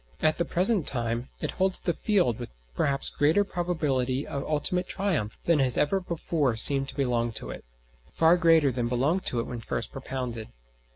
At the present time it holds the field with perhaps greater probability of ultimate triumph than has ever before seemed to belong to it far greater than belonged to it when first propounded.